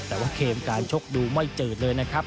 แต่ว่าเกมการชกดูไม่จืดเลยนะครับ